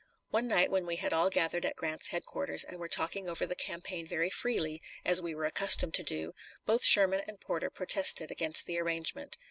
One night when we had all gathered at Grant's headquarters and were talking over the campaign very freely, as we were accustomed to do, both Sherman and Porter protested against the arrangement.